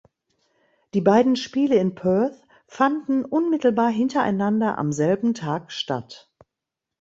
Die beiden Spiele in Perth fanden unmittelbar hintereinander am selben Tag statt.